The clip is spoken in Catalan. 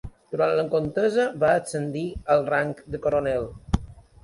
Durant la contesa va ascendir al rang de coronel.